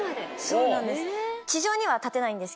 そうなんです。